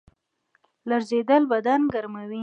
لړزیدل بدن ګرموي